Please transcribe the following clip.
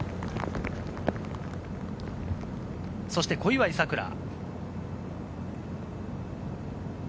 そして小祝さくら。